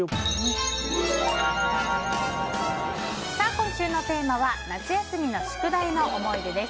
今週のテーマは夏休みの宿題の思い出です。